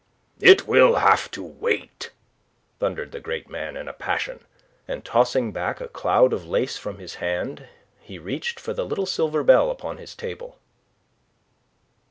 "It will have to wait!" thundered the great man in a passion, and tossing back a cloud of lace from his hand, he reached for the little silver bell upon his table.